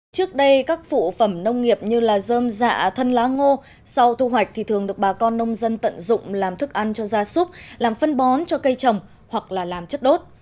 trước đây các phụ phẩm nông nghiệp như là dơm dạ thân lá ngô sau thu hoạch thì thường được bà con nông dân tận dụng làm thức ăn cho gia súc làm phân bón cho cây trồng hoặc là làm chất đốt